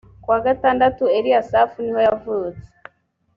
ku wa gatandatu eliyasafu niho yavutse.